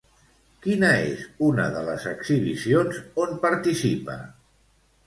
Quina és una de les exhibicions on participa?